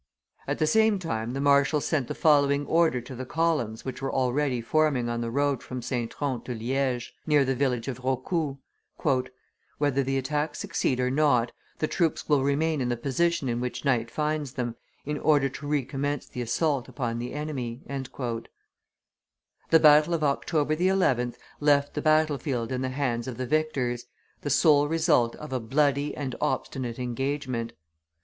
At the same time the marshal sent the following order to the columns which were already forming on the road from St. Tron to Liege, near the village of Raucoux: "Whether the attacks succeed or not, the troops will remain in the position in which night finds them, in order to recommence the assault upon the enemy." [Illustration: BRUSSELS 159] The battle of October 11 left the battle field in the hands of the victors, the sole result of a bloody and obstinate engagement.